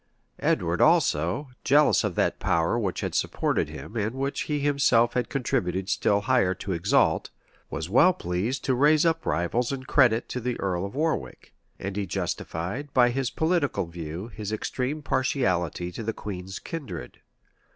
[] Edward also, jealous of that power which had supported him and which he himself had contributed still higher to exalt, was well pleased to raise up rivals in credit to the earl of Warwick; and he justified, by this political view, his extreme partiality to the queen's kindred.